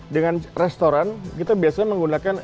dengan restoran kita biasanya menggunakan